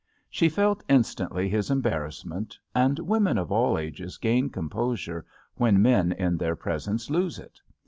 She felt instantly his embarrass ment, and women of all ages gain composure when men in their presence lose it.